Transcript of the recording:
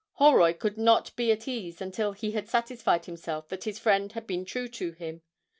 Holroyd could not be at ease until he had satisfied himself that his friend had been true to him.